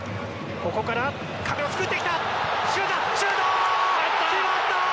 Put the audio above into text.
ここから壁を作ってきた。